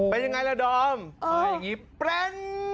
มาอย่างงี้แปล้ง